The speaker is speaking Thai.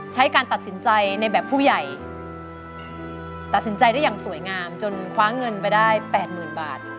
การตัดสินใจในแบบผู้ใหญ่ตัดสินใจได้อย่างสวยงามจนคว้าเงินไปได้แปดหมื่นบาท